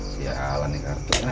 si allah nih kartunya